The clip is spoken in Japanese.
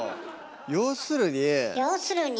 要するに。